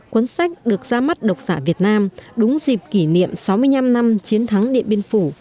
cuốn sách được ra mắt độc giả việt nam đúng dịp kỷ niệm sáu mươi năm năm chiến thắng điện biên phủ